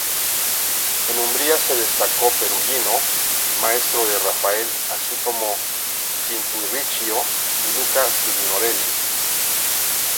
En Umbría se destacó Perugino, maestro de Rafael, así como Pinturicchio y Luca Signorelli.